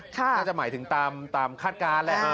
น่าจะหมายถึงตามคาดการณ์แหละ